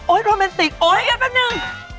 โอ๊ยโรแมนติกโอ๊ยอย่าเป็นหนึ่ง